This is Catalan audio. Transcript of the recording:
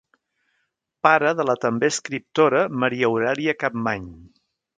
Pare de la també escriptora Maria Aurèlia Capmany.